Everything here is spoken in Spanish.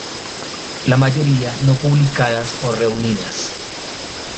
La mayoría no publicadas o reunidas.